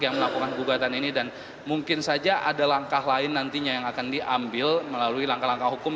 yang melakukan gugatan ini dan mungkin saja ada langkah lain nantinya yang akan diambil melalui langkah langkah hukum